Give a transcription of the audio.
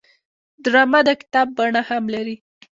ډرامه د کتاب بڼه هم لري